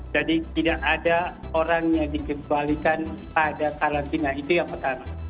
jadi tidak ada orang yang dikisahkan pada karantina itu yang pertama